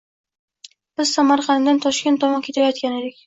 biz Samarqanddan Toshkent tomon ketayotgan edik.